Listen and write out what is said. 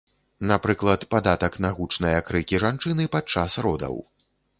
Напрыклад, падатак на гучныя крыкі жанчыны падчас родаў.